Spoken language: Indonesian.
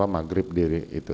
magrib diri itu